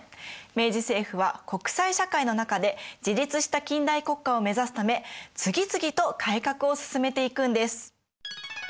明治政府は国際社会の中で自立した近代国家を目指すため次々と改革を進めていくんです！